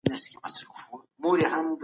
کله باید د ارامتیا لپاره سپورت پیل کړو؟